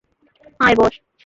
আয়, বস।